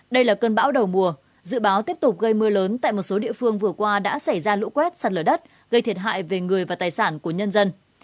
đây là cơn bão đầu mùa dự báo tiếp tục gây mưa lớn tại một số địa phương vừa qua đã xảy ra lũ quét sạt lở đất gây thiệt hại về người và tài sản của nhân dân